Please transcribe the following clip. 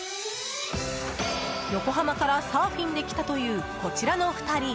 横浜からサーフィンで来たというこちらの２人。